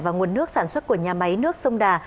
và nguồn nước sản xuất của nhà máy nước sông đà